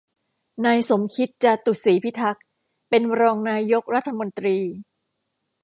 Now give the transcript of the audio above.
นายสมคิด จาตุศรีพิทักษ์ เป็นรองนายกรัฐมนตรี